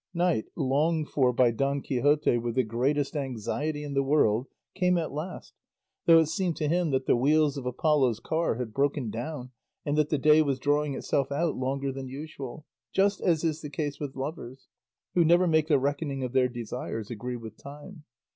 Night, longed for by Don Quixote with the greatest anxiety in the world, came at last, though it seemed to him that the wheels of Apollo's car had broken down, and that the day was drawing itself out longer than usual, just as is the case with lovers, who never make the reckoning of their desires agree with time.